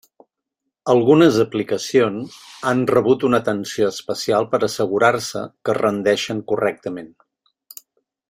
Algunes aplicacions han rebut una atenció especial per assegurar-se que rendeixen correctament.